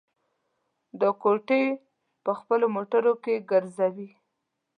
دا کوټې په خپلو موټرو کې ګرځوي.